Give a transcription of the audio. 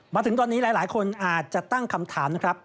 มาถึงตอนนี้หลายคนอาจจะตั้งคำถามนะครับ